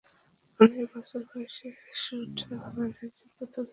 উনিশ বছর বয়সে শুট ব্যানার্জী’র প্রথম-শ্রেণীর ক্রিকেটে অভিষেক ঘটে।